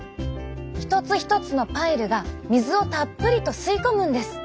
一つ一つのパイルが水をたっぷりと吸い込むんです。